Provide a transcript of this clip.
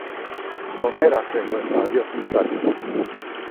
¿Comeráse lo desabrido sin sal?